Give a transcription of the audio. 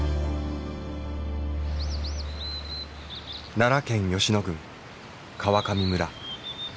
奈良県吉野郡川上村。